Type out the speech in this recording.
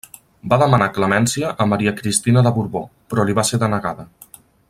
Va demanar clemència a Maria Cristina de Borbó, però li va ser denegada.